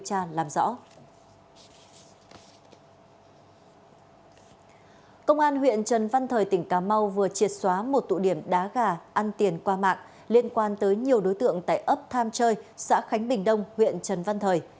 công an huyện trần văn thời tỉnh cà mau vừa triệt xóa một tụ điểm đá gà ăn tiền qua mạng liên quan tới nhiều đối tượng tại ấp tham chơi xã khánh bình đông huyện trần văn thời